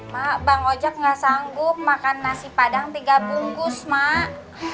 mak bang ojek nggak sanggup makan nasi padang tiga bungkus mak